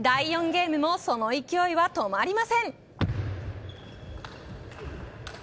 ゲームもその勢いは止まりません。